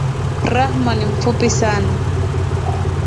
Rahma ni mfupi sana